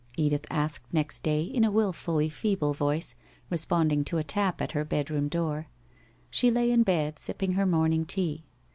Edith asked next day in a wilfully feeble voice, responding to a tap at her bedroom door. She lay in bed, sipping her morning tea.